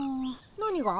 何が？